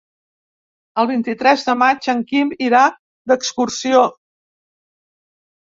El vint-i-tres de maig en Quim irà d'excursió.